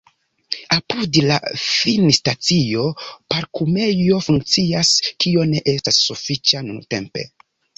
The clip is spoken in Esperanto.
Apud la finstacio parkumejo funkcias, kio ne estas sufiĉa nuntempe.